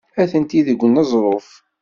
Atenti deg uneẓruf.